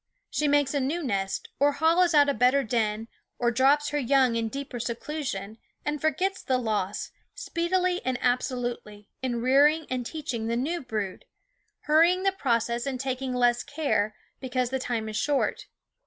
She makes a new nest, or hollows out a better den, or drops her young in deeper seclusion, and forgets the loss, speedily and absolutely, in rearing and teaching the new brood, hurry ing the process and taking less care, because the time is short.